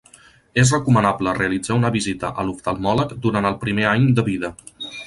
És recomanable realitzar una visita a l'oftalmòleg durant el primer any de vida.